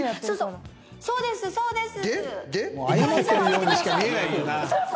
そうです、そうです。